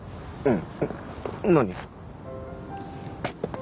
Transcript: うん。